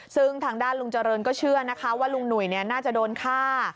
ซึ่งทางด้านลุงเจริญก็เชื่อนะคะว่าลุงหนุ่ยน่าจะโดนฆ่า